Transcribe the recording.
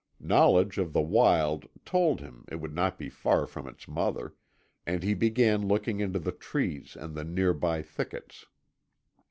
Knowledge of the wild told him it would not be far from its mother, and he began looking into the trees and the near by thickets.